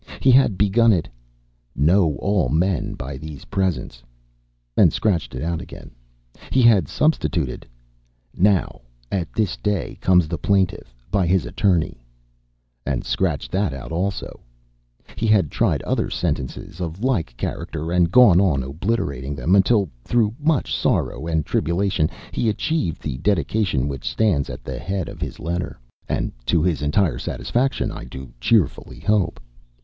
He had begun it, "Know all men by these presents," and scratched it out again; he had substituted, "Now at this day comes the plaintiff, by his attorney," and scratched that out also; he had tried other sentences of like character, and gone on obliterating them, until, through much sorrow and tribulation, he achieved the dedication which stands at the head of his letter, and to his entire satisfaction, I do cheerfully hope.